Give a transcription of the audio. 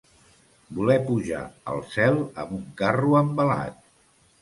Voler pujar al cel amb un carro envelat.